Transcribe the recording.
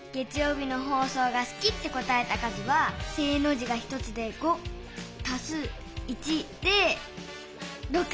日の放送がすきって答えた数は正の字が１つで５足す１で６！